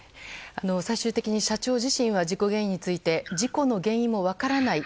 最終的に社長自身は事故原因について分からない。